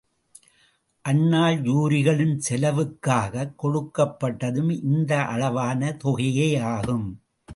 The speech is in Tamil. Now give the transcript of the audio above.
அந்நாள் ஜூரிகளின் செலவுக்காகக் கொடுக்கப்பட்டதும் இந்த அளவான தொகையே ஆகும்.